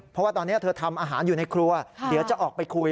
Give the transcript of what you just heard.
เพราะว่าตอนนี้เธอทำอาหารอยู่ในครัวเดี๋ยวจะออกไปคุย